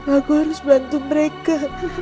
aku harus bantu mereka